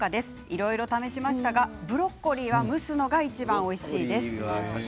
いろいろ試しましたがブロッコリーは蒸すのがいちばんおいしいです。